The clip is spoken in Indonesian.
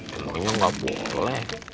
sebenarnya nggak boleh